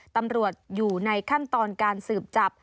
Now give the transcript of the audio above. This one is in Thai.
ตำรวจอยู่ในขั้นตอนการสืบจับ